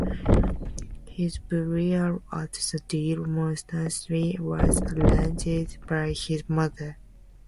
His burial at the Deal Monastery was arranged by his mother.